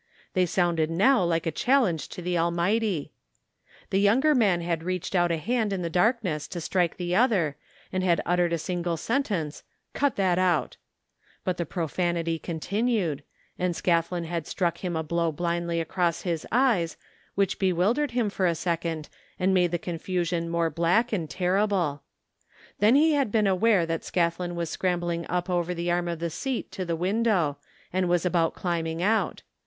They sounded now like a chal lenge to the Almighty, The younger man had reached out a hand in the darkness to strike the other, and had uttered a single sentence " Cut that out !" but the pro fanity continued, and Scathlin had struck him a blow blindly across his eyes which bewildered him for a second and made the confusion more black and terrible. Then he had been aware that Scathlin was scrambling up over the arm of the seat to the window, and was about climbing out.